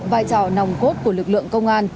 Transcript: vai trò nồng cốt của lực lượng công an